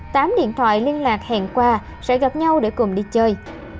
tám điện thoại liên lạc hẹn qua sẽ gặp nhau để cùng đi chơi